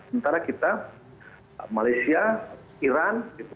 sementara kita malaysia iran